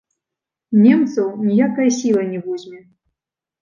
Немцаў ніякая сіла не возьме.